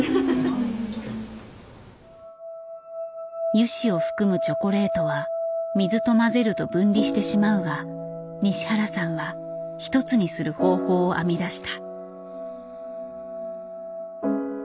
油脂を含むチョコレートは水と混ぜると分離してしまうが西原さんは一つにする方法を編み出した。